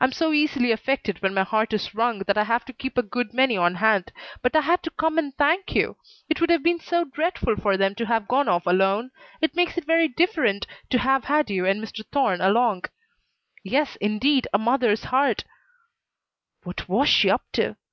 I'm so easily affected when my heart is wrung that I have to keep a good many on hand. But I had to come and thank you. It would have been so dreadful for them to have gone off alone. It makes it very different to have had you and Mr. Thorne along. Yes, indeed a mother's heart " What was she up to?